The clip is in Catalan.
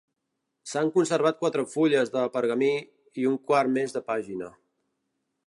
S'han conservat quatre fulles de pergamí i un quart més de pàgina.